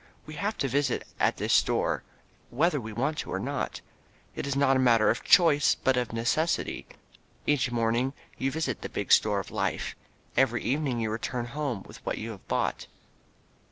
We have to visit at this store whether we want to or not. It is not a matter of choice but of necessity. Every morning you visit the big store of Life. Every evening you return home with what you have bought.